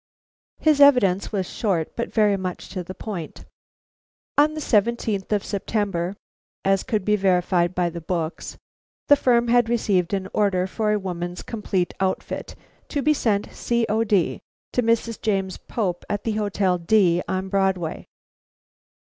His evidence was short, but very much to the point. On the seventeenth of September, as could be verified by the books, the firm had received an order for a woman's complete outfit, to be sent, C.O.D., to Mrs. James Pope at the Hotel D , on Broadway.